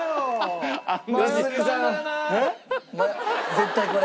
絶対これ？